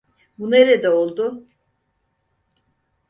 Bu nerede oldu?